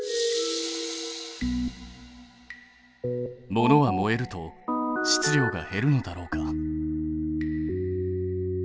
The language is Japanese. ものは燃えると質量が減るのだろうか？